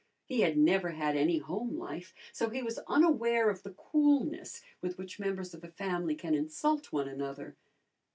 He had never had any home life, so he was unaware of the coolness with which members of a family can insult one another.